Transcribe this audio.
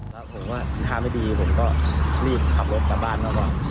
แล้วผมว่าทางไม่ดีผมก็รีบขับรถกลับบ้านแล้วก็